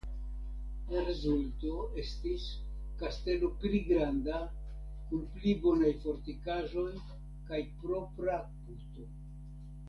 La rezulto estis kastelo pli granda kun pli bonaj fortikaĵoj kaj propra puto.